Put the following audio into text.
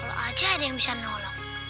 kalau aja ada yang bisa nolong